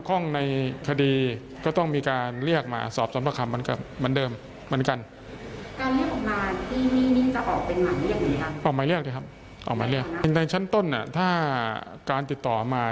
ออกมาเรียกในชั้นต้นถ้าการติดต่อมา